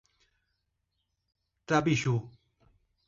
Trabiju